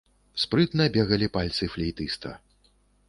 Спрытна бегалі пальцы флейтыста.